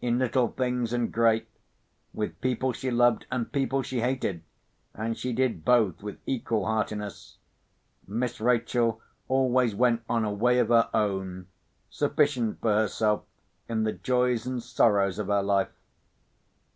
In little things and great, with people she loved, and people she hated (and she did both with equal heartiness), Miss Rachel always went on a way of her own, sufficient for herself in the joys and sorrows of her life.